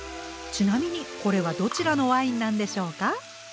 ちなみにこれはどちらのワインなんでしょうか？